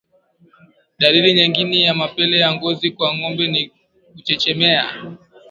Dalili nyingine ya mapele ya ngozi kwa ngombe ni kuchechemea